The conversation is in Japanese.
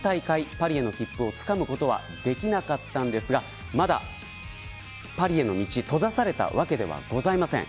パリへの切符をつかむことはできなかったんですがまだパリへの道閉ざされたわけではございません。